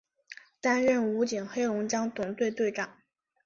担任武警黑龙江总队队长。